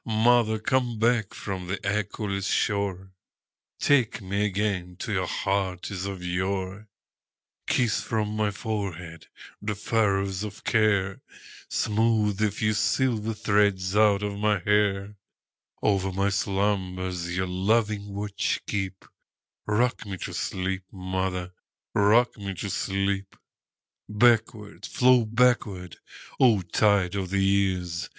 Mother, come back from the echoless shore, Take me again to your heart as of yore; Kiss from my forehead the furrows of care, Smooth the few silver threads out of my hair; Over my slumbers your loving watch keep;—Rock me to sleep, mother,—rock me to sleep! Backward, flow backward, O tide of the years!